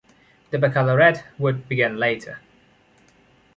The baccalaureate would begin later.